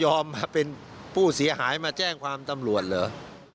มาเป็นผู้เสียหายมาแจ้งความตำรวจเหรอ